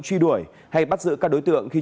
truy đuổi hay bắt giữ các đối tượng khi